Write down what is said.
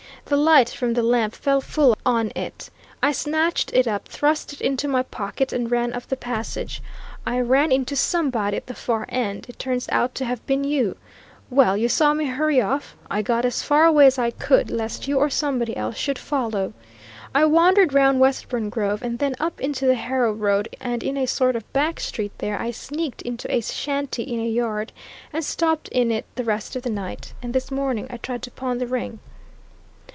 The light from the lamp fell full on it. And I snatched it up, thrust it into my pocket and ran up the passage. I ran into somebody at the far end it turns out to have been you. Well, you saw me hurry off I got as far away as I could, lest you or somebody else should follow. I wandered round Westbourne Grove, and then up into the Harrow Road, and in a sort of back street there I sneaked into a shanty in a yard, and stopped in it the rest of the night. And this morning I tried to pawn the ring."